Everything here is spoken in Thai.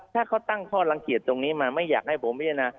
ถ้าเขาตั้งข้อลังเกียจตรงนี้มาไม่อยากให้ผมพิจารณา